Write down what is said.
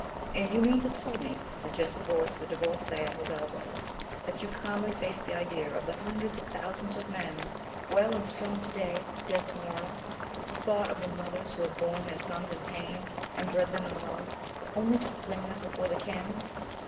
"And you mean to tell me," said the gentle voice of the Divorcée at his elbow, "that you calmly face the idea of the hundreds of thousands of men, well and strong to day dead to morrow, the thought of the mothers who have borne their sons in pain, and bred them in love, only to fling them before the cannon?"